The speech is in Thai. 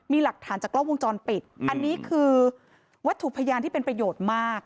มีหลักฐานจากกล้องวงจรปิดอันนี้คือวัตถุพยานที่เป็นประโยชน์มาก